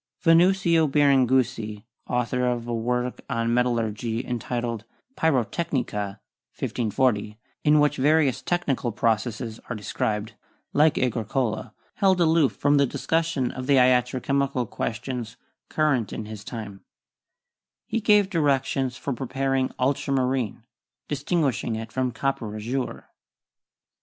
Vanuccio Biringucci, author of a work on metallurgy entitled 'Pirotecnica' (1540), in which various techni cal processes are described, like Agricola, held aloof from the discussion of tht iatro chemical questions current in PERIOD OF MEDICAL MYSTICISM 77 his time. He gave directions for preparing ultramarine, distinguishing it from copper azure.